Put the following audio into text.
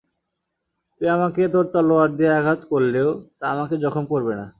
তুই আমাকে তোর তলোয়ার দিয়ে আঘাত করলেও, তা আমাকে জখম করবে না।